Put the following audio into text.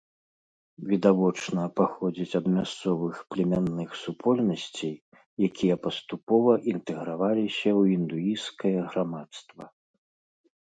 Відавочна, паходзіць ад мясцовых племянных супольнасцей, якія паступова інтэграваліся ў індуісцкае грамадства.